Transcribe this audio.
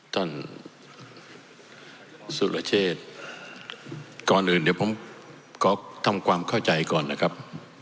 สุรเชษก่อนอื่นเดี๋ยวผมขอทำความเข้าใจก่อนนะครับ